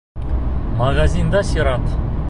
Магазинда сират...